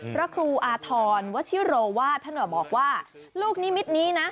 พระครูอาธรณ์วชิโรวาสท่านบอกว่าลูกนิมิตนี้นะ